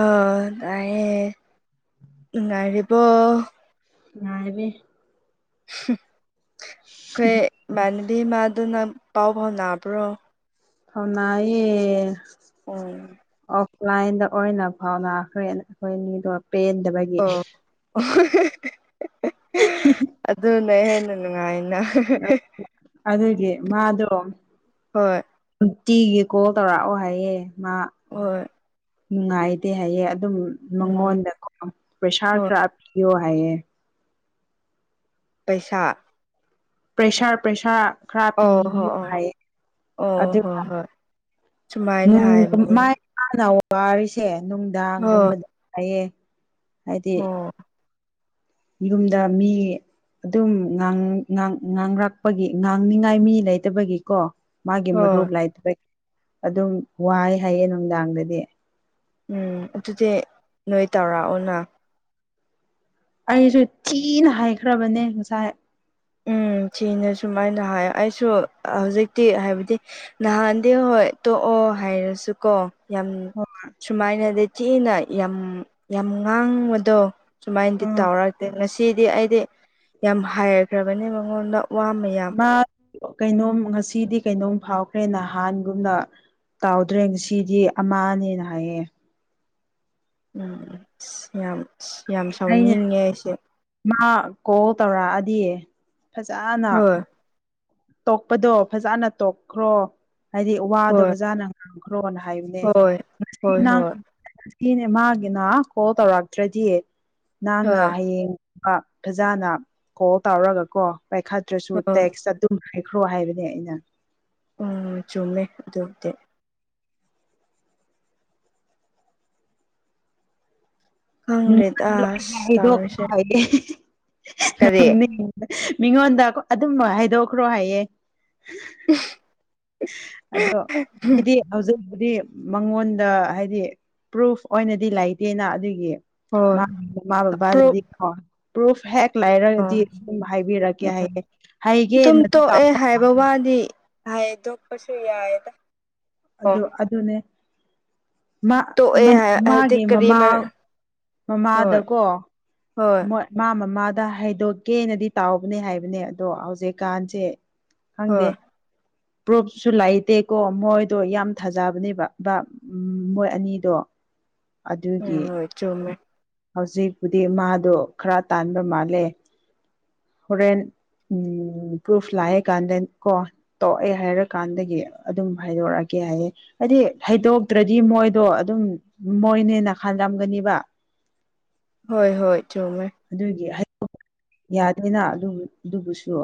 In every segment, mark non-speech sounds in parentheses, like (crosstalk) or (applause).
ꯑ ꯅꯔꯌꯦ ꯉꯔꯤꯕ ꯉꯑꯕꯤ ꯑꯩꯈꯣꯏ ꯏꯃꯥꯟꯅꯕꯤ ꯏꯃꯗꯨꯅꯪ ꯄꯥꯎ ꯐꯥꯎ ꯅꯥꯕ꯭ꯔꯣ ꯍꯥꯎꯅꯥꯑꯌꯦ ꯎꯝ ꯑꯣꯐꯂꯥꯏꯟꯗ ꯑꯣꯏꯅ ꯐꯥꯎꯅꯈ꯭ꯔꯦ ꯑꯩꯈꯣꯏ ꯃꯤꯗꯣ ꯄꯦꯟꯗꯕꯒꯤ ꯑꯣ ꯑꯗꯨꯅ ꯍꯦꯟꯅ ꯅꯨꯡꯉꯥꯏꯅ ꯑꯗꯨꯒꯤ ꯃꯥꯗꯣ ꯍꯣꯏ ꯅꯨꯡꯇꯤꯒꯤ ꯀꯣꯜ ꯇꯧꯔꯛꯑꯣ ꯍꯥꯏꯌꯦ ꯃꯥ ꯍꯣꯏ ꯅꯨꯡꯉꯥꯏꯇꯦ ꯍꯥꯏꯌꯦꯦ ꯑꯗꯨꯝ ꯎꯝ ꯃꯉꯣꯟꯗꯀꯣ ꯄꯩꯁꯥꯔ ꯍꯣꯏ ꯈꯔ ꯌꯣ ꯍꯥꯏꯌꯦ ꯄꯩꯁꯥ ꯄ꯭ꯔꯦꯁꯔ ꯄ꯭ꯔꯦꯁꯥꯔ ꯈꯔ ꯑꯣ ꯍꯣ ꯄꯤꯕꯤꯌꯨ ꯑꯣ ꯍꯥꯏꯌꯦ ꯑꯣ ꯑꯗꯨꯒ ꯍꯣꯏ ꯍꯣꯏ ꯎ ꯁꯨꯃꯥꯏꯅ ꯍꯥꯏꯕꯅꯤ ꯃ ꯍꯥꯟꯅ ꯋꯥꯔꯤꯔꯤꯁꯦ ꯍꯣꯏ ꯅꯨꯡꯗꯥꯡꯒꯨꯝꯕꯗ ꯍꯥꯏꯌꯦ ꯍꯥꯏꯗꯤ ꯍꯣ ꯌꯨꯝꯗ ꯃꯤ ꯑꯗꯨꯝ ꯉꯥꯡ ꯉ ꯉꯥꯡꯔꯛꯄꯒꯤ ꯉꯥꯡꯅꯤꯉꯥꯏ ꯃꯤ ꯂꯩꯇꯕꯒꯤꯀꯣ ꯃꯥꯒꯤ ꯍꯣꯏ ꯃꯔꯨꯞ ꯂꯥꯏꯇꯕ ꯑꯗꯨꯝ ꯋꯥꯏ ꯍꯥꯏꯌꯦ ꯅꯨꯡꯗꯥꯡꯗꯗꯤ ꯎꯝ ꯑꯗꯨꯗꯤ ꯅꯣꯏ ꯇꯧꯔꯛꯑꯣꯅ ꯑꯩꯁꯨ ꯊꯤꯅ ꯍꯥꯏꯈ꯭ꯔꯕꯅꯦ ꯉꯁꯥꯏ ꯎꯝ ꯁꯤꯅ ꯁꯨꯝꯥꯏꯅ ꯍꯥꯏ ꯑꯩꯁꯨ ꯍꯧꯖꯤꯛꯇꯤ ꯍꯥꯏꯕꯗꯤ ꯅꯍꯥꯟꯗꯤ ꯍꯣꯏ ꯇꯣꯛꯑꯣ ꯍꯥꯏꯔꯁꯨ ꯀꯣ ꯌꯥꯝ ꯁꯨꯃꯥꯏꯅꯗꯤ ꯆꯤꯅ ꯌꯥꯝ ꯌꯥꯝ ꯉꯥꯡꯕꯗꯣ ꯁꯨꯃꯥꯏꯅꯗꯤ ꯎꯝ ꯇꯥꯎꯔꯛꯇꯦ ꯉꯁꯤꯗꯤ ꯑꯩꯗꯤ ꯌꯥꯝ ꯍꯥꯏꯈ꯭ꯔꯕꯅꯤ ꯃꯉꯣꯟꯗ ꯃꯌꯥꯝ ꯃꯥ ꯀꯩꯅꯣꯝ ꯉꯁꯤꯗꯤ ꯀꯩꯅꯣꯝ ꯐꯥꯎꯈ꯭ꯔꯦ ꯅꯍꯥꯟꯒꯨꯝꯅ ꯇꯥꯎꯗ꯭ꯔꯦ ꯉꯁꯤꯗꯤ ꯑꯃꯅꯦꯅ ꯍꯥꯏꯌꯦ ꯎꯝ ꯑ ꯌꯥꯝ ꯌꯥꯝ ꯑꯩꯅ ꯁꯥꯎꯅꯤꯡꯉꯦ ꯑꯩꯁꯦ ꯃꯥ ꯀꯣꯜ ꯇꯧꯔꯛꯑꯗꯤ ꯐꯖꯅ ꯍꯣꯏ ꯇꯣꯛꯄꯗꯣ ꯐꯖꯅ ꯇꯣꯛꯈ꯭ꯔꯣ ꯍꯥꯏꯗꯤ ꯋꯥꯗꯣ ꯍꯣꯏ ꯕꯖꯥꯅ ꯉꯥꯡꯈ꯭ꯔꯣꯅ ꯍꯥꯏꯕꯅꯦ ꯍꯣꯏ ꯉꯁꯤ ꯍꯣꯏ ꯍꯣꯏ ꯉꯅꯦ ꯃꯥꯒꯤꯅ ꯀꯣꯜ ꯇꯧꯔꯛꯇ꯭ꯔꯗꯤ ꯅꯪꯅ ꯍꯣꯏ ꯍꯌꯦꯡ ꯐꯖꯅ ꯀꯣꯜ ꯇꯧꯔꯒ ꯀꯣ ꯄꯥꯏꯈꯠꯇ꯭ꯔꯁꯨ ꯍꯣꯏ ꯇꯦꯛꯁ ꯉꯥꯏꯈ꯭ꯔꯣ ꯍꯥꯏꯕꯅꯦ ꯑꯩꯅ ꯎ ꯆꯨꯝꯃꯦ ꯑꯗꯨꯗꯤ ꯈꯪꯗ꯭ꯔꯦꯗ ꯎꯝ ꯑꯁ ꯌꯥꯗꯦ ꯇꯧꯔꯤꯁꯦ ꯀꯔꯤ ꯃꯤꯉꯣꯟꯗ ꯑꯗꯨꯝ ꯍꯥꯏꯗꯣꯛꯈ꯭ꯔꯣ ꯍꯥꯏꯌꯦ꯫ (inaudible) ꯑꯗꯣ (unintelligible) ꯍꯧꯖꯤꯛꯄꯨꯗꯤ ꯃꯉꯣꯟꯗ ꯍꯥꯏꯗꯤ ꯄ꯭ꯔꯨꯐ ꯑꯣꯏꯅꯗꯤ ꯂꯩꯇꯦꯅ ꯑꯗꯨꯒꯤ (unintelligible) ꯍꯣꯏ ꯃꯥꯃꯥ ꯕꯥꯕꯥ ꯑꯄ꯭ꯔꯨꯞ ꯗꯗꯤ ꯀꯣ ꯄ꯭ꯔꯨꯐ ꯍꯦꯛ ꯂꯩꯔꯒꯗꯤ ꯑꯗꯨꯝ ꯍꯥꯏꯕꯤꯔꯛꯀꯦ ꯍꯥꯏꯌꯦ ꯑꯗꯨꯝ ꯍꯥꯏꯒꯦꯅ ꯇꯣꯛꯑꯦ ꯍꯥꯏꯕ (unintelligible) ꯋꯥꯗꯤ ꯍꯥꯏꯗꯣꯛꯄꯁꯨ ꯌꯥꯏꯌꯦꯗ ꯑꯗꯨ ꯑꯗꯨꯅꯦ ꯃꯥ ꯃ ꯇꯣꯛꯑꯦ ꯍꯥꯏꯕꯗꯤ ꯃꯥꯒꯤ ꯀꯔꯤ ꯃꯃꯥ ꯍꯣꯏ ꯃꯃꯥꯗꯀꯣ ꯍꯣꯏ ꯃꯣꯏ ꯃꯥ ꯃꯃꯥꯗ ꯍꯥꯏꯩꯗꯣꯛꯀꯦꯅꯗꯤ ꯇꯥꯎꯕꯅꯦ ꯍꯥꯏꯕꯅꯦ ꯑꯗꯣ ꯍꯧꯖꯤꯛꯀꯥꯟꯁꯦ ꯈꯪꯗꯦ ꯍꯣꯏ ꯄ꯭ꯔꯣꯨꯞꯁꯨ ꯂꯩꯇꯦꯀꯣ ꯃꯣꯏꯗꯣ ꯌꯥꯝ ꯊꯥꯖꯕꯅꯦꯕ ꯕ ꯎꯝ ꯃꯣꯏ ꯑꯅꯤꯗꯣ ꯑꯗꯨꯒꯤ ꯎꯝ ꯍꯣꯏ ꯆꯨꯝꯃꯦ ꯍꯧꯖꯤꯛꯄꯨꯗꯤ ꯃꯥꯗꯣ ꯈꯔ ꯇꯥꯟꯕ ꯃꯥꯜꯂꯦ ꯍꯣꯔꯦꯟ ꯎꯝ ꯄ꯭ꯔꯨꯐ ꯂꯥꯛꯑꯦ ꯀꯥꯟꯗꯀꯣ ꯇꯧ ꯑꯩ ꯍꯥꯏꯔꯀꯥꯟꯗꯒꯤ ꯑꯗꯨꯝ ꯍꯥꯏꯗꯣꯔꯛꯑꯒꯦ ꯍꯥꯏꯌꯦ ꯍꯥꯏꯗꯤ ꯍꯩꯗꯣꯛꯇ꯭ꯔꯗꯤ ꯃꯣꯏꯗꯣ ꯑꯗꯨꯝ ꯃꯣꯏꯅꯦ ꯅꯥ ꯈꯜꯂꯝꯒꯅꯤꯕ ꯍꯣꯏ ꯍꯣꯏ ꯆꯨꯝꯃꯦ ꯑꯗꯨꯒꯤ (unintelligible) ꯌꯥꯗꯦꯅ ꯑꯗꯨꯕꯨꯁꯨ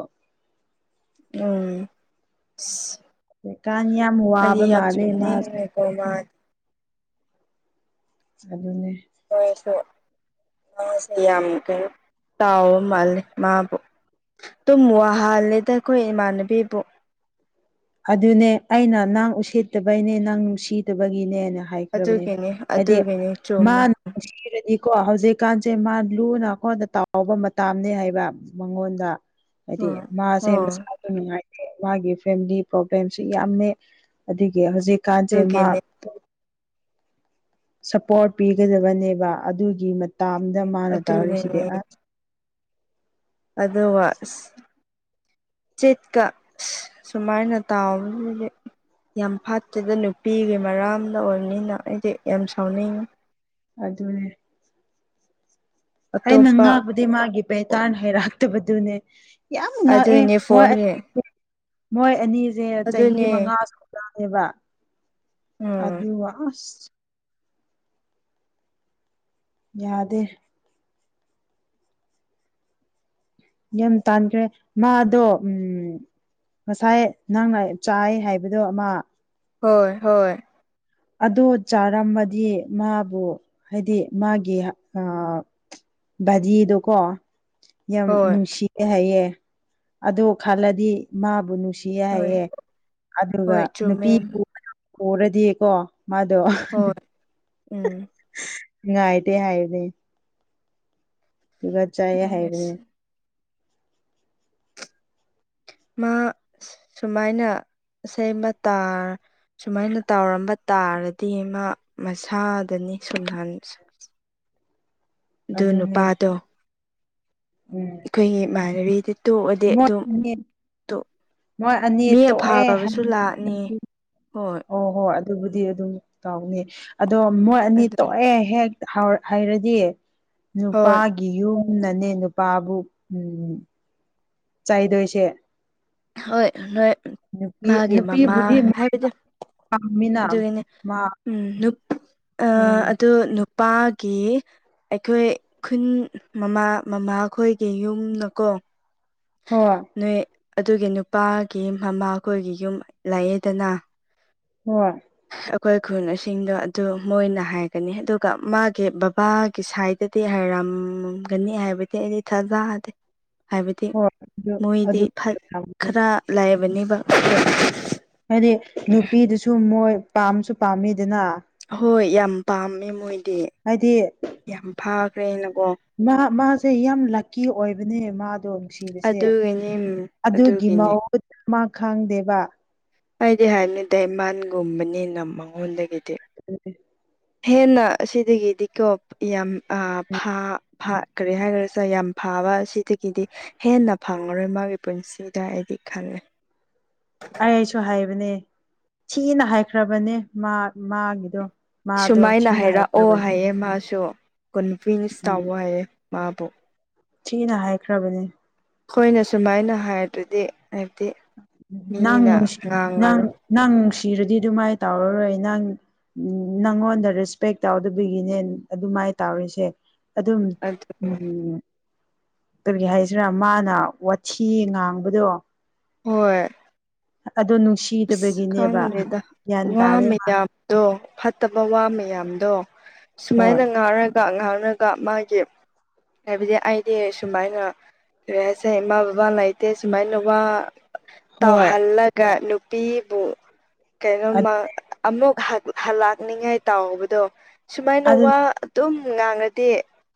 ꯎꯝ ꯏꯖ ꯀꯥꯟ ꯌꯥꯝ ꯋꯥꯕ ꯃꯥꯜꯂꯦ ꯃꯥꯖꯨ (unintelligible) ꯑꯗꯨꯅꯦ (unintelligible) (unintelligible) ꯇꯥꯎꯕ ꯃꯥꯂꯦ ꯃꯥꯕꯨ ꯇꯨꯝ ꯋꯥꯍꯜꯂꯦꯗ ꯑꯩꯈꯣꯏ ꯏꯃꯥꯟꯅꯕꯤꯕꯨ ꯑꯗꯨꯅꯦ ꯑꯩꯅ ꯅꯪ ꯎꯁꯤꯠꯇꯕꯩꯅꯦ ꯅꯪ ꯅꯨꯡꯁꯤꯗꯕꯒꯤꯅꯦ ꯍꯥꯏꯈ꯭ꯔꯕꯅꯦ ꯑꯗꯨꯒꯤꯅꯤ ꯍꯥꯏꯗꯤ ꯑꯗꯨꯒꯤꯅꯤ ꯃꯥ ꯆꯨꯝꯃꯦ ꯅꯨꯡꯁꯤꯔꯗꯤꯀꯣ ꯍꯧꯖꯤꯛꯀꯥꯟꯁꯦ ꯃꯥ ꯂꯨꯅ (unintelligible) ꯇꯥꯎꯕ ꯃꯇꯝꯅꯦ ꯍꯥꯏꯕ ꯃꯉꯣꯟꯗ ꯍꯥꯏꯗꯤ ꯑꯣ ꯃꯥꯁꯦ ꯑꯣ ꯃꯁꯥꯘꯨ ꯅꯨꯡꯉꯥꯏꯇꯦ ꯃꯥꯒꯤ ꯐꯦꯃꯤꯂꯤ ꯄ꯭ꯔꯣꯕ꯭ꯂꯦꯝꯁꯨ ꯌꯥꯝꯃꯦ ꯑꯗꯒꯤ ꯍꯧꯖꯤꯛꯀꯥꯟꯁꯦ ꯃꯥ ꯑꯗꯨꯒꯤꯅꯤ ꯁꯄꯣꯔꯠ ꯄꯤꯒꯗꯕꯅꯦꯕ ꯑꯗꯨꯒꯤ ꯃꯇꯥꯝꯗ ꯃꯥꯅ ꯇꯧꯔꯤꯁꯤꯗꯤ ꯑꯗꯨꯒꯤꯅꯤ ꯑꯁ ꯑꯗꯨꯒ ꯑꯁ ꯆꯦꯠꯀ ꯁꯨꯃꯥꯏꯅ ꯇꯕꯁꯤꯗꯤ ꯌꯥꯝ ꯐꯠꯇꯦꯗ ꯅꯨꯄꯤꯒꯤ ꯃꯔꯝꯗ ꯑꯣꯏꯕꯅꯤꯅ ꯑꯩꯘꯤ ꯌꯥꯝ ꯁꯥꯎꯅꯤꯡꯉꯤ ꯑꯗꯨꯅꯦ ꯑꯩꯅ ꯑꯇꯣꯞꯄ ꯉꯥꯕꯗꯤ ꯃꯥꯒꯤ ꯄꯦꯇꯔꯅ ꯍꯩꯔꯛꯇꯕꯗꯨꯅꯦ ꯌꯥꯝ ꯉꯥꯛ ꯑꯦ ꯑꯗꯨꯏꯅꯦ ꯐꯣꯟꯒꯤ (unintelligible) ꯃꯣꯏ ꯑꯅꯤꯁꯦ ꯆꯍꯤ ꯑꯗꯨꯅꯦ ꯃꯉꯥ ꯁꯨꯔꯕꯅꯦꯕ ꯎꯝ ꯑꯗꯨ ꯋꯥ ꯑꯁ ꯌꯥꯗꯦ ꯌꯥꯝ ꯇꯥꯟꯈ꯭ꯔꯦ ꯃꯥꯗꯣ ꯎꯝ ꯉꯁꯥꯏ ꯅꯪꯅ ꯆꯥꯏ ꯍꯥꯏꯕꯗꯣ ꯑꯃ ꯍꯣꯏ ꯍꯣꯏ ꯑꯗꯣ ꯆꯥꯔꯝꯃꯗꯤ ꯃꯥꯕꯨ ꯍꯥꯏꯗꯤ ꯃꯥꯒꯤ ꯍ-ꯑ ꯚꯖꯤꯗꯣ ꯀꯣ ꯌꯥꯝ ꯍꯣꯏ ꯅꯨꯡꯁꯤꯌꯦ ꯍꯥꯏꯌꯦ ꯑꯗꯨ ꯈꯜꯂꯗꯤ ꯃꯥꯕꯨ ꯅꯨꯡꯁꯤ ꯍꯣꯏ ꯍꯥꯏꯌꯦ ꯑꯗꯨꯒ ꯍꯣꯏ ꯅꯨꯄꯤ ꯆꯨꯝꯃꯦ ꯄꯨꯕ ꯎꯔꯗꯤ-ꯀꯣ ꯃꯥꯗꯣ ꯍꯣꯏ ꯎꯝ ꯉꯥꯏꯗꯤ ꯍꯥꯏꯅꯦ ꯏꯕꯥ ꯆꯥꯏ ꯍꯥꯏꯕꯅꯦ ꯃꯥ ꯁꯨꯃꯥꯏꯅ ꯁꯦꯝꯕ ꯇꯥꯔ ꯁꯨꯃꯥꯏꯅ ꯇꯧꯔꯝꯕ ꯇꯥꯔꯗꯤ ꯃꯥ ꯃꯁꯥꯗꯅꯤ ꯁꯨꯝꯗꯟ (inaudible) ꯑꯗꯨ ꯑꯗꯨꯅꯦ ꯅꯨꯄꯥꯗꯣ ꯎꯝ ꯑꯩꯈꯣꯏꯒꯤ ꯏꯃꯥꯟꯅꯕꯤꯗ ꯇꯣꯛꯑꯗꯤ ꯃꯣꯏ ꯑꯗꯨꯝ ꯑꯅꯤ ꯇꯣꯛ ꯃꯣꯏ ꯑꯅꯤ ꯃꯤ ꯇꯣꯛꯑꯦ ꯑꯐꯕꯁꯨ ꯂꯥꯛꯅꯤ ꯍꯣꯏ ꯍꯣꯏ ꯑꯗꯨꯕꯨꯗꯤ ꯑꯗꯨꯝ ꯇꯧꯅꯤ ꯑꯗꯣ ꯃꯣꯏ ꯑꯅꯤ ꯑꯗꯨꯅꯤ ꯇꯣꯛꯑꯦ ꯍꯦꯛ ꯍꯥꯏꯔꯗꯤ ꯍꯣꯏ ꯅꯨꯄꯥꯒꯤ ꯌꯨꯝꯅꯅꯦ ꯅꯨꯄꯥꯕꯨ ꯎꯝ ꯆꯥꯏꯗꯣꯏꯁꯦ ꯍꯣꯏ ꯅꯣꯏ ꯅꯨꯄꯤ ꯃꯥꯒꯤ ꯃꯃꯥ ꯍꯥꯏꯕꯗꯤ ꯃꯤꯅꯥ ꯑꯗꯨꯒꯤꯅꯦ ꯃꯥ ꯎꯝ ꯑ ꯎꯝ ꯑꯗꯨ ꯅꯨꯄꯥꯒꯤ ꯑꯩꯈꯣꯏ ꯈꯨꯟ ꯃꯃꯥ ꯃꯃꯥꯈꯣꯏꯒꯤ ꯌꯨꯝꯅꯀꯣ ꯍ ꯅꯣꯏ ꯑꯗꯨꯒꯤ ꯅꯨꯄꯥꯒꯤ ꯃꯃꯥꯈꯣꯏꯒꯤ ꯌꯨꯝ ꯂꯥꯛꯑꯦꯗꯅ ꯍ ꯑꯩꯈꯣꯏ ꯈꯨꯟꯁꯤꯡꯗꯣ ꯑꯗꯨ ꯃꯣꯏꯅ ꯍꯥꯏꯒꯅꯤ ꯑꯗꯨꯒ ꯃꯥꯒꯤ ꯕꯕꯥꯒꯤ ꯁꯥꯏꯠ ꯑꯗꯨꯗꯤ ꯍꯥꯏꯔꯝꯒꯅꯤ ꯍꯥꯏꯕꯗꯤ ꯑꯩꯗꯤ ꯊꯥꯖꯗꯦ ꯍꯥꯏꯕꯗꯤ ꯍꯣꯏ ꯑꯗꯨ ꯃꯣꯏꯗꯤ ꯑꯗꯨ ꯈꯔ ꯂꯥꯏꯕꯅꯤꯕ ꯍꯥꯏꯗꯤ ꯅꯨꯄꯤꯗꯨꯁꯨ ꯃꯣꯏ ꯄꯥꯝꯁꯨ ꯄꯥꯝꯃꯤꯗꯅ ꯍꯣꯏ ꯌꯥꯝ ꯄꯥꯝꯃꯦ ꯃꯣꯏꯗꯤ ꯍꯥꯏꯗꯤ ꯌꯥꯝ ꯐꯥꯈ꯭ꯔꯦ ꯑꯩꯅꯀꯣ ꯃꯥ ꯃꯥꯁꯦ ꯌꯥꯝ ꯂꯛꯀꯤ ꯑꯣꯏꯕꯅꯦ ꯃꯥꯗꯣ ꯅꯨꯡꯁꯤꯕꯁꯦ ꯑꯗꯨꯒꯤꯅꯤ ꯑꯗꯨꯒꯤ ꯑꯗꯨꯒꯤꯅꯤ ꯃꯍ ꯃꯥ ꯈꯪꯗꯦꯕ ꯑꯩꯗꯤ ꯍꯥꯏꯕꯅꯤꯗ ꯏꯃꯥꯟꯒꯨꯝꯕꯅꯤꯅ ꯃꯉꯣꯟꯗꯒꯤꯗꯤ ꯎꯝ ꯍꯦꯟꯅ ꯑꯁꯤꯗꯒꯤ ꯗꯤꯀꯣꯞ ꯌꯥꯝ ꯐꯥ ꯀꯔꯤ ꯍꯥꯏꯈ꯭ꯔꯁ ꯌꯥꯝ ꯐꯥꯕ ꯑꯁꯤꯗꯒꯤꯗꯤ ꯍꯦꯟꯅ ꯐꯪꯉꯔꯣꯏ ꯃꯥꯒꯤ ꯄꯨꯟꯁꯤꯗ ꯑꯩꯗꯤ ꯈꯜꯂꯦ ꯑꯩꯁꯨ ꯍꯥꯏꯕꯅꯦ ꯊꯤꯅ ꯍꯥꯏꯈ꯭ꯔꯕꯅꯦ ꯃꯥ ꯃꯥꯒꯤꯗꯣ ꯃꯥꯗꯣ ꯆꯤꯅ ꯍꯥꯏꯈ꯭ꯔꯕꯅꯦ ꯑꯦ ꯃꯥꯁꯨ ꯀꯟꯚꯤꯟꯁ ꯇꯧꯋ ꯃꯥꯕꯨ ꯊꯤꯅ ꯍꯥꯏꯈ꯭ꯔꯕꯅꯦ ꯑꯩꯈꯣꯏꯅ ꯁꯨꯃꯥꯏꯅ ꯍꯥꯏꯔꯗꯗꯤ ꯍꯥꯏꯕꯗꯤ ꯅꯪ ꯃꯤꯅ ꯅꯨꯡꯁꯤ ꯅ ꯉꯥꯡꯉꯔꯣꯏ ꯅꯪ ꯅꯨꯡꯁꯤꯔꯗꯤ ꯑꯗꯨꯃꯥꯏꯅ ꯇꯧꯔꯔꯣꯏ ꯅꯪ ꯅꯪꯉꯣꯟꯗ ꯔꯦꯁꯄꯦꯛ ꯇꯧꯗꯕꯒꯤꯅꯦ ꯑꯗꯨꯃꯥꯏꯅ ꯇꯧꯔꯤꯁꯦ ꯑꯗꯨꯝ ꯑꯗꯨ ꯎꯝ ꯀꯔꯤꯒꯤ ꯍꯥꯏꯁꯤꯔ ꯃꯥꯅ ꯋꯥꯊꯤ ꯉꯥꯡꯕꯗꯣ ꯍꯣꯏ ꯑꯗꯨ ꯅꯨꯡꯁꯤ ꯑꯁ ꯈꯪꯗꯦꯗ ꯋꯥ ꯇꯥꯗꯦ ꯃꯥ ꯃꯌꯥꯝꯗꯣ ꯐꯠꯇꯕ ꯋꯥ ꯃꯌꯥꯝꯗꯣ ꯍꯣꯏ ꯁꯨꯃꯥꯏꯅ ꯉꯥꯡꯔꯒ ꯉꯥꯡꯉꯒ ꯃꯥꯒꯤ ꯍꯥꯏꯕꯗꯤ ꯑꯩꯗꯤ ꯁꯨꯃꯥꯏꯅ ꯀ ꯍꯥꯏꯁꯦꯃꯥ ꯕꯕꯥ ꯂꯩꯥꯏꯇꯦ ꯁꯨꯃꯥꯏꯅꯕ ꯍꯣꯏ ꯇꯧꯍꯜꯂꯒ ꯅꯨꯄꯤꯕꯨ ꯀꯩꯅꯣꯃ ꯑꯃꯨꯛ ꯍꯜꯂꯛꯅꯤꯉꯥꯏ ꯇꯥꯎꯕꯗꯣ ꯁꯨꯃꯥꯏꯅ ꯑꯗꯨ ꯋꯥ ꯑꯗꯨꯝ ꯉꯥꯡꯉꯗꯤ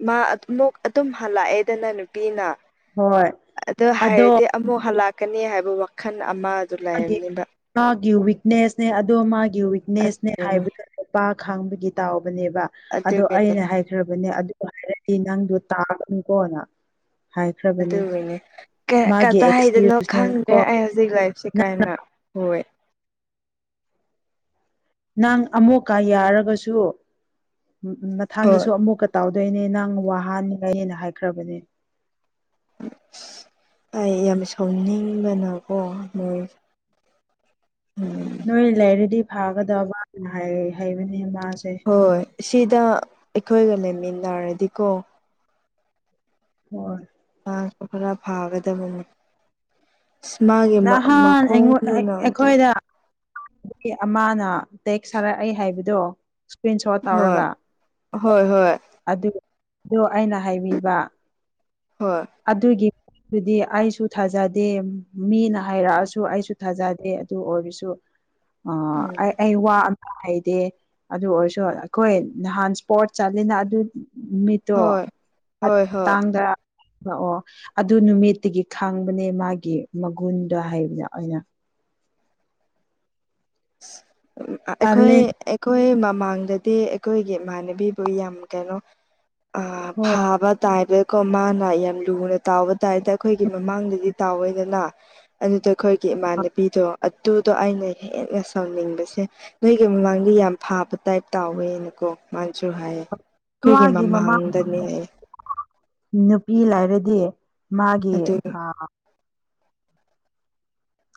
ꯃꯥ ꯃꯛ ꯑꯗꯨꯝ ꯍꯜꯂꯛꯑꯦꯗꯅ ꯅꯨꯄꯤꯅ ꯍꯣꯏ ꯑꯗ ꯑꯗꯣ ꯍꯥꯏꯔꯗꯤ ꯑꯃꯨꯛ ꯍꯜꯂꯛꯀꯅꯤ ꯍꯥꯏꯕ ꯋꯥꯈꯜ ꯑꯃꯗ ꯃꯥꯒꯤ ꯂꯩꯔꯕꯝꯅꯤꯕ ꯃꯥꯒꯤ ꯋꯤꯛꯅꯦꯁꯅꯦ ꯑꯗꯣ ꯃꯥꯒꯤ ꯋꯤꯛꯅꯦꯁꯅꯦ ꯍꯥꯏꯕꯗꯨ ꯎꯄꯥ ꯈꯥꯡꯕꯒꯤ ꯇꯥꯎꯕꯅꯦꯕ ꯑꯗꯣ ꯑꯗꯨꯒꯤꯅꯦ ꯑꯩꯅ ꯍꯥꯏ ꯐꯈ꯭ꯔꯕꯅꯦ ꯑꯗꯨ ꯍꯥꯏꯔꯗꯤ ꯅꯪꯗꯣ ꯇꯥꯒꯅꯨꯀꯣꯅ ꯍꯥꯏꯈ꯭ꯔꯕꯅꯦ ꯑꯗꯨꯒꯤꯅꯦ ꯃꯥꯒꯤ ꯀꯗꯥ ꯍꯥꯏꯗꯅꯣ ꯑꯦꯛꯁꯀ꯭ꯌꯨꯁꯅꯦ ꯈꯪꯗ꯭ꯔꯦ ꯀꯣ ꯑꯩ ꯍꯧꯖꯤꯛ ꯂꯥꯏꯐꯁꯤ ꯅꯪ ꯀꯥꯏꯟꯅ ꯍ ꯅꯪ ꯑꯃꯨꯣꯛꯀ ꯌꯥꯔꯒꯁꯨ ꯍꯣꯏ ꯃꯊꯥꯡꯗꯁꯨ ꯑꯃꯨꯛꯀ ꯇꯧꯗꯣꯏꯅꯦ ꯅꯪ ꯋꯥꯍꯅꯤꯉꯅ ꯍꯥꯏꯈ꯭ꯔꯕꯅꯦ ꯑꯩ ꯌꯥꯝ ꯁꯥꯎꯅꯤꯡꯕꯅꯀꯣ ꯅꯣꯏ ꯎꯝ ꯅꯣꯏ ꯂꯩꯔꯗꯤ ꯐꯥꯒꯗꯕꯅ ꯍꯩꯕꯅꯦ ꯃꯥꯁꯦ ꯍꯣꯏ ꯁꯤꯗ ꯑꯩꯈꯣꯏꯒ ꯂꯩꯃꯤꯟꯅꯔꯗꯤꯀꯣ ꯍ ꯉꯥꯡꯁꯨ ꯈꯔ ꯐꯥꯒꯗꯕꯅꯤ ꯏꯁꯃꯒꯤ ꯅꯍꯥꯟ ꯃꯈꯣꯡꯗꯨꯅ ꯑꯗꯨꯝ ꯑꯗꯨꯒꯤ ꯑꯃꯅ ꯇꯦꯛꯁ ꯁꯥꯔꯛꯏ ꯍꯥꯏꯕꯗꯣ ꯏꯁꯀ꯭ꯔꯤꯟ ꯁꯣꯠ ꯍꯣꯏ ꯇꯧꯔꯒ ꯍꯣꯏ ꯍꯣꯏ ꯑꯗꯨꯗꯣ ꯑꯩꯅ ꯍꯥꯏꯕꯤꯕ ꯍꯣꯏ ꯑꯗꯨꯒꯤꯗꯨꯗꯤ ꯑꯩꯁꯨ ꯊꯥꯖꯗꯦ ꯃꯤꯅ ꯍꯥꯏꯔꯛꯑꯁꯨ ꯑꯩꯁꯨ ꯊꯥꯖꯗꯦ ꯑꯗꯨ ꯑꯣꯏꯔꯁꯨ ꯎꯝ ꯑꯩ ꯑꯩ ꯋꯥ ꯍꯩꯗꯦ ꯑꯗꯨ ꯑꯣꯏꯔꯁꯨ ꯑꯩꯈꯣꯏ ꯅꯍꯥꯟ ꯏꯁꯄꯣꯔꯠ ꯆꯠꯂꯤꯅ ꯑꯗꯨ ꯑꯣ ꯍꯣꯏ ꯑꯗꯨ ꯍꯣꯏ ꯍꯣꯏ ꯃꯇꯥꯡꯗ ꯂꯥꯛꯑꯣ ꯑꯗꯨ ꯅꯨꯃꯤꯠꯇꯒꯤ ꯈꯥꯡꯕꯅꯦ ꯃꯥꯒꯤ ꯃꯒꯨꯟꯗ ꯍꯥꯏꯕꯗ ꯑꯣꯏꯅ ꯑꯩꯈꯣꯏ ꯇꯜꯂꯦ ꯑꯩꯈꯣꯏ ꯃꯃꯥꯡꯗꯗꯤ ꯑꯩꯈꯣꯏꯒꯤ ꯏꯃꯥꯟꯅꯕꯤꯕꯨ ꯌꯥꯝ ꯀꯩꯅꯣ ꯑ ꯍꯣꯏ ꯐꯥꯕ ꯇꯥꯏꯗꯀꯣ ꯃꯥꯅ ꯌꯥꯝ ꯂꯨꯅ ꯇꯥꯎꯕ ꯇꯥꯗ ꯑꯩꯈꯣꯏꯒꯤ ꯃꯃꯥꯡꯗꯗꯤ ꯇꯥꯎꯋꯦꯗꯅ ꯑꯗꯨꯗ ꯑꯩꯈꯣꯏꯒꯤ ꯏꯃꯥꯟꯅꯕꯤꯗꯣ ꯑꯗꯨꯗꯣ ꯑꯩꯅ ꯍꯦ ꯁꯥꯎꯅꯤꯡꯕꯁꯦ ꯅꯣꯏꯒꯤ ꯃꯃꯥꯡꯗ ꯌꯥꯝ ꯐꯥꯕ ꯇꯥꯏꯞ ꯇꯥꯎꯋꯦꯅꯀꯣ ꯃꯥꯅꯁꯨ ꯍꯥꯏꯌꯦ ꯑꯩꯈꯣꯏꯒꯤ ꯃꯥꯒꯤ ꯃꯃꯥ ꯃꯃꯥꯡꯗꯅꯦ ꯅꯨꯄꯤ ꯂꯥꯏꯔꯗꯤ ꯃꯥꯒꯤꯦ ꯑꯗꯨ ꯍꯥ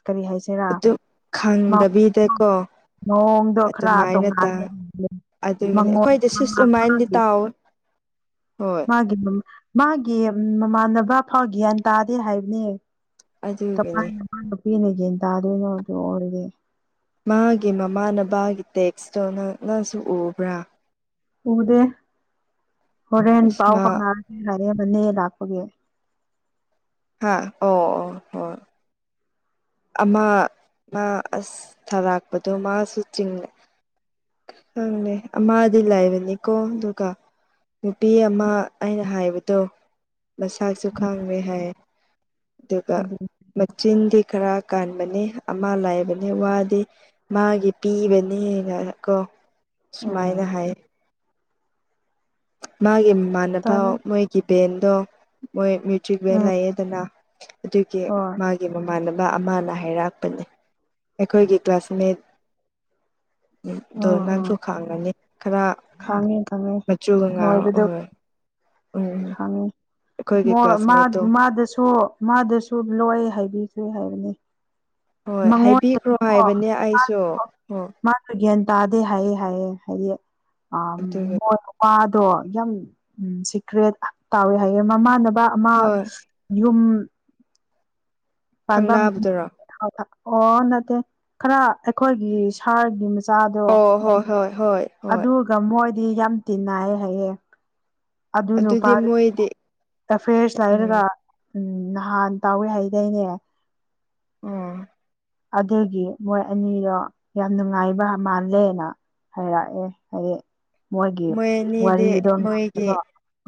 ꯀꯔꯤ ꯍꯥꯏꯁꯤꯔꯥ ꯑꯗꯨ ꯈꯪꯗꯕꯤꯗꯀꯣ ꯅꯣꯡꯗꯣ ꯈꯔ ꯑꯗꯨꯃꯥꯏꯅ ꯇꯥ ꯇꯣꯡꯉꯥꯟꯂ ꯑꯗꯨꯒꯤꯅꯤ ꯑꯩꯈꯣꯏꯗꯤ ꯁꯤꯁ ꯑꯗꯨꯃꯥꯏꯅꯗꯤ ꯇꯥꯎꯋꯦ ꯍꯣꯏ ꯃꯥꯒꯤ ꯃꯃꯥꯟꯅꯕ ꯐꯥꯎ ꯒ꯭ꯌꯥꯟ ꯇꯥꯗꯦ ꯍꯥꯏꯕꯅꯦ ꯆꯄꯥ ꯑꯗꯨꯒꯤꯅꯤ ꯅꯨꯄꯥ ꯅꯨꯄꯤꯅ ꯌꯦꯟ ꯇꯥꯗꯣꯏꯅꯣ ꯑꯗꯨ ꯑꯣꯏꯔꯗꯤ ꯃꯥꯒꯤ ꯃꯃꯥꯅꯕꯒꯤ ꯇꯦꯛꯁꯇꯣ ꯅꯪ ꯅꯪꯁꯨ ꯎꯕ꯭ꯔꯥ ꯎꯗꯦ ꯍꯣꯔꯦꯟ ꯑꯁ ꯄꯥꯎ ꯃꯥ ꯍꯥꯎꯅꯔꯁꯦ ꯍꯥꯏꯔꯦꯕꯅꯦ ꯂꯥꯛꯄꯒꯤ ꯍꯥꯥ ꯑꯣ ꯑꯣ ꯍ ꯑꯃ ꯃꯥ ꯑꯁ ꯊꯥꯔꯥꯛꯄꯗꯣ ꯃꯥꯁꯨ ꯆꯤꯡꯉꯩ ꯈꯪꯅꯦ ꯑꯃꯗꯤ ꯂꯥꯏꯕꯅꯤꯀꯣ ꯑꯗꯨꯒ ꯅꯨꯄꯤ ꯑꯃ ꯑꯩꯅ ꯍꯥꯏꯕꯗꯣ ꯃꯁꯥꯁꯨ ꯈꯥꯡꯉꯦ ꯍꯥꯏ ꯑꯗꯨꯒ ꯑꯗꯨ ꯃꯆꯤꯟꯗꯤ ꯈꯔ ꯀꯥꯟꯕꯅꯤ ꯑꯃ ꯂꯥꯏꯕꯅꯦ ꯋꯥꯗꯤ ꯃꯥꯒꯤ ꯄꯤꯕꯅꯦꯅ ꯀꯣ ꯁꯨꯃꯥꯏꯅ ꯎꯝ ꯍꯥꯏ ꯃꯥꯒꯤ ꯃꯃꯥꯟꯅꯕ ꯇꯥꯗꯦ ꯃꯣꯏꯒꯤ ꯕꯦꯟꯗꯣ ꯃꯣꯏ ꯇ꯭ꯚꯦꯟ ꯎꯝ ꯂꯩꯌꯦꯗꯅ ꯑꯗꯨꯒꯤ ꯍꯣꯏ ꯃꯥꯒꯤ ꯒꯤ ꯃꯃꯥꯟꯅꯕ ꯑꯃꯅ ꯍꯥꯏꯔꯛꯄꯅꯦ ꯑꯩꯈꯣꯏꯒꯤ ꯀ꯭ꯂꯥꯁꯃꯦꯠ ꯎꯝ ꯑꯗꯣ ꯅꯪꯁꯨ ꯈꯥꯡꯉꯅꯤ ꯈꯔ ꯈꯪꯉꯦ ꯈꯪꯉꯦ ꯆꯨꯒ ꯉꯥꯔꯣ ꯑꯍꯣꯏ ꯈꯪꯉꯤ ꯑꯩꯈꯣꯏꯒꯤ ꯃꯣꯏ ꯃꯥ ꯀ꯭ꯂꯥꯁꯃꯦꯠꯇꯣ ꯃꯥꯗꯨꯁꯨ ꯃꯥꯗꯨꯁꯨ ꯂꯣꯏ ꯍꯥꯏꯕꯤꯈꯤ ꯍꯥꯏꯕꯅꯦ ꯍꯣꯏ ꯍꯥꯏꯕꯤꯈ꯭ꯔꯣ ꯍꯥꯏꯕꯅꯦ ꯑꯩꯁꯨ ꯑꯣ ꯃꯥꯁꯨ ꯒ꯭ꯌꯥꯟ ꯇꯥꯗꯦ ꯍꯥꯏꯌꯦ ꯍꯥꯏꯌꯦ ꯍꯥꯏꯗꯤ ꯑꯥ ꯑꯗꯨꯒꯤ ꯃꯣꯏ ꯄꯥꯗꯣ ꯌꯥꯝ ꯎꯝ ꯁꯤꯀ꯭ꯔꯦꯠ ꯇꯥꯎꯋꯦ ꯍꯥꯏꯌꯦ ꯃꯃꯥꯟꯅꯕ ꯑꯃ ꯍꯣꯏ ꯌꯨꯝ ꯄꯥꯟꯕꯝ ꯊꯪꯅꯕꯗꯨꯔꯣ ꯑꯣ ꯅꯠꯇꯦ ꯈꯔ ꯑꯩꯈꯣꯏꯒꯤ ꯁꯥꯔꯒꯤ ꯃꯆꯥꯗꯣ ꯑꯣ ꯍꯣꯏ ꯍꯣꯏ ꯍꯣꯏ ꯑꯗꯨꯒ ꯃꯣꯏꯗꯤ ꯌꯥꯝ ꯇꯤꯟꯅꯥꯏ ꯍꯥꯏꯌꯦ ꯑꯗꯨ ꯑꯗꯨꯗꯤ ꯅꯨꯄꯥꯗꯨꯅꯅꯦ ꯃꯣꯏꯗꯤ ꯇꯐꯦꯁ ꯂꯩꯔꯒ ꯎꯝ ꯎꯝ ꯅꯍꯥꯟ ꯇꯧꯋꯦ ꯍꯥꯏꯗꯥꯏꯅꯦ ꯑꯣ ꯑꯗꯨꯒꯤ ꯃꯣꯏ ꯑꯅꯤꯗꯣ ꯌꯥꯝ ꯅꯨꯡꯉꯥꯏꯕ ꯃꯥꯜꯂꯦꯅ ꯍꯥꯏꯔꯛꯑꯦ ꯍꯥꯏꯗꯤ ꯃꯣꯏꯒꯤ ꯃꯣꯏ ꯑꯅꯤꯗꯤ ꯋꯥꯔꯤꯗꯣ ꯃꯣꯏꯒꯤ ꯂꯥꯛꯄꯗꯣ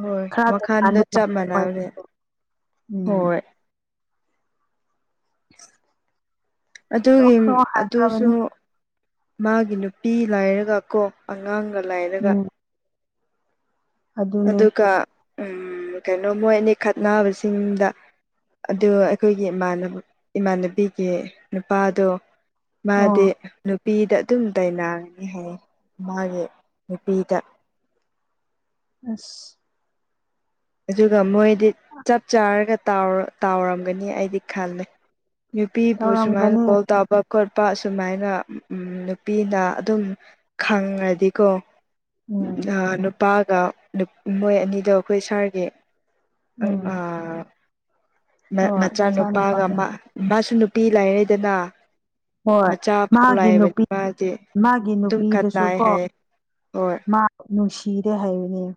ꯍꯣꯏ ꯈꯔ ꯋꯥꯈꯜꯗꯣ ꯆꯞ ꯃꯥꯟꯅꯕꯅꯦ (unintelligible) ꯎꯝ ꯍꯣꯏ ꯑꯗꯨꯒꯤ ꯇꯣꯛꯈ꯭ꯔꯣ ꯑꯗꯨꯁꯨ ꯍꯥꯏꯈ꯭ꯔꯕꯅꯦ ꯃꯥꯒꯤ ꯅꯨꯄꯤ ꯂꯥꯏꯔꯒ ꯀꯣ ꯑꯉꯥꯡꯒ ꯂꯩꯔꯒ ꯎꯝ ꯑꯗꯨꯅꯦ ꯑꯗꯨꯒ ꯎꯝ ꯀꯩꯅꯣ ꯃꯣꯏ ꯑꯅꯤ ꯈꯠꯕꯁꯤꯡꯗ ꯑꯗꯣ ꯑꯩꯈꯣꯏꯒꯤ ꯏꯃꯥꯟꯅꯕ ꯏꯃꯥꯟꯅꯕꯤꯒꯤ ꯅꯨꯄꯥꯗꯣ ꯑꯣ ꯃꯥꯗꯤ ꯅꯨꯄꯤꯗ ꯑꯗꯨꯝ ꯇꯥꯏꯅꯥꯒꯅꯤ ꯍꯥꯏꯌꯦ ꯃꯥꯒꯤ ꯅꯨꯄꯤꯗ ꯑꯁ ꯑꯗꯨꯒ ꯃꯣꯏꯗꯤ ꯆꯞ ꯆꯥꯔꯒ ꯇꯥꯎꯔ ꯇꯥꯎꯔꯝꯒꯅꯤ ꯑꯩꯗꯤ ꯈꯜꯂꯦ ꯅꯨꯄꯤꯕꯨ ꯁꯨꯃꯥꯏꯅ ꯇꯧꯔꯝꯒꯅꯤ ꯀꯣꯜ ꯇꯧꯕ ꯈꯣꯠꯄ ꯁꯨꯃꯥꯏꯅ ꯅꯨꯄꯤꯅ ꯑꯗꯨꯝ ꯈꯪꯉꯗꯤꯀꯣ ꯎꯝ ꯑꯥ ꯅꯨꯄꯥꯒ ꯃꯣꯏ ꯑꯅꯤꯗꯣ ꯑꯩꯈꯣꯏ ꯁꯥꯔꯒꯤ ꯎꯝ ꯃ ꯍꯣꯏ ꯃꯆꯥꯅꯨꯄꯥ ꯃꯆꯥꯅꯨꯄꯥꯒ ꯃꯥ ꯃꯥꯁꯨ ꯅꯨꯄꯤ ꯂꯩꯔꯦꯗꯅꯥ ꯍꯣꯏ ꯃꯆꯥ ꯐꯥꯎ ꯃꯥꯒꯤ ꯂꯩꯔꯕ ꯅꯨꯄꯤ ꯃꯥꯗꯤ ꯃꯥꯒꯤ ꯑꯗꯨꯝ ꯈꯠꯅꯥꯏ ꯍꯥꯏꯌꯦ ꯍꯣꯏ ꯅꯨꯡꯁꯤꯗꯦ ꯍꯥꯏꯕꯅꯦ